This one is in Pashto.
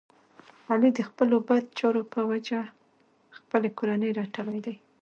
علی د خپلو بد چارو په جه خپلې کورنۍ رټلی دی.